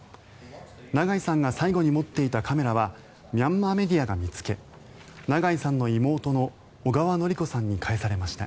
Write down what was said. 永井さんが最後に持っていたカメラはミャンマーメディアが見つけ長井さんの妹の小川典子さんに返されました。